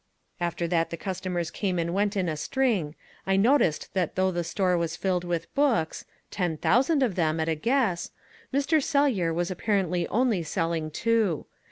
After that the customers came and went in a string. I noticed that though the store was filled with books ten thousand of them, at a guess Mr. Sellyer was apparently only selling two.